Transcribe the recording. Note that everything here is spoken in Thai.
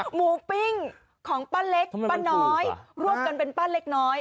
หมูปิ้งของป้าเล็กป้าน้อยร่วมกันเป็นป้าเล็กน้อย